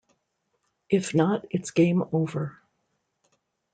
If not, it's game over.